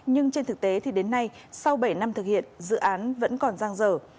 nhưng trên thực tế thì đến nay sau bảy năm thực hiện dự án vẫn còn giang dở